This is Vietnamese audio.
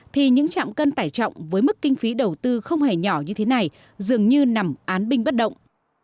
thì những trạm cân tải trọng với mức kinh phí đầu tư không hề nhỏ như thế này dường như nằm án binh bất động